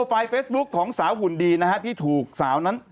ลายเฟซบุ๊คของสาวหุ่นดีที่ถูกสาวนั้น